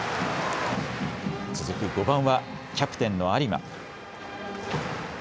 続く５番はキャプテンの有馬。